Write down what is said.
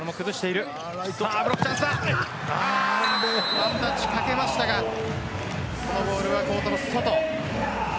ワンタッチかけましたがボールはコートの外です。